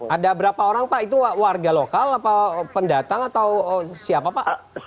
ada berapa orang pak itu warga lokal pendatang atau siapa pak